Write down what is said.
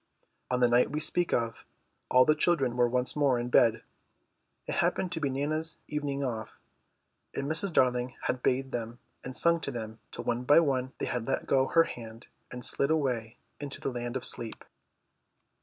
On the night we speak of all the children were once more in bed. It happened to be Nana's evening off, and Mrs. Darling had bathed them and sung to them till one by one they had let go her hand and slid away into the land of sleep.